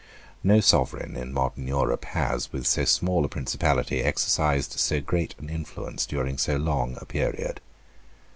No sovereign in modern Europe has, with so small a principality, exercised so great an influence during so long a period.